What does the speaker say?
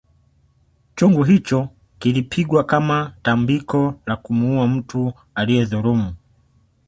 Chungu hicho kilipigwa kama tambiko la kumuuwa mtu aliyedhulumu